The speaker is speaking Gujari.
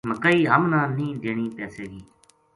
مکئی ہمنا نیہہ دینی پیسے گی